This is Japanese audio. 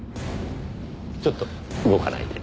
ちょっと動かないで。